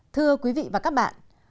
thưa quý vị và các bạn